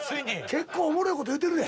結構おもろいこと言うてるで。